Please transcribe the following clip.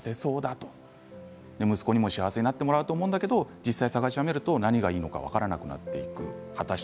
どの家も自分より幸せそうだと息子にも幸せになってもらおうと思うんだけれど実際に探し始めると何がいいのか分からなくなっていく。